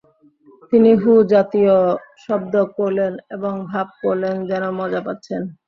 তিনি হু-জাতীয় শব্দ করলেন এবং ভাব করলেন যেন মজা পাচ্ছেন।